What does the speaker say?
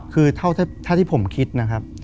คือเท่าที่ผมคิดนะครับ